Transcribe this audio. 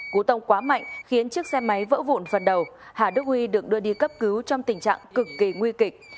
cú tông quá mạnh khiến chiếc xe máy vỡ vụn phần đầu hà đức huy được đưa đi cấp cứu trong tình trạng cực kỳ nguy kịch